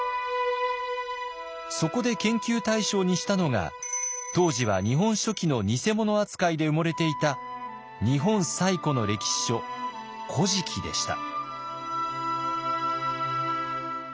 そこで研究対象にしたのが当時は「日本書紀」の偽物扱いで埋もれていた日本最古の歴史書「古事記」でした。